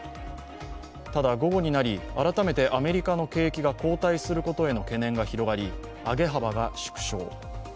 ただ午後になり、改めてアメリカの景気が後退することへの懸念が広がり上げ幅を縮小。